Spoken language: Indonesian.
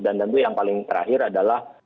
dan tentu yang paling terakhir adalah